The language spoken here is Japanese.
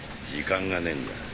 時間がねえんだ